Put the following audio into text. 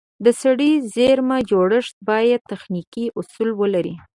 د سړې زېرمه جوړښت باید تخنیکي اصول ولري.